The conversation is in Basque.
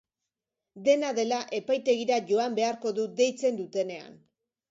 Dena dela, epaitegira joan beharko du deitzen dutenean.